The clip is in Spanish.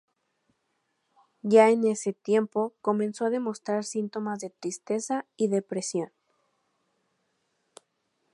Ya en ese tiempo, comenzó a demostrar síntomas de tristeza y depresión.